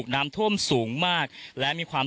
นอกจากนั้นนะครับ